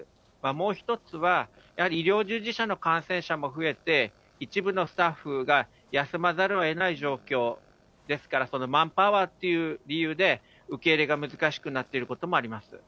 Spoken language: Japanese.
もう一つは、やはり医療従事者の感染者も増えて、一部のスタッフが休まざるをえない状況、ですからマンパワーという理由で受け入れが難しくなっていることもあります。